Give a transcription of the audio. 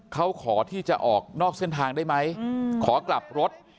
เขาขอที่จะออกนอกเส้นทางได้ไหมขอกลับรถ